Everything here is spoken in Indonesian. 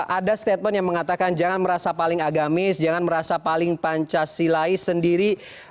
ada statement yang mengatakan jangan merasa paling agamis jangan merasa paling pancasilais sendiri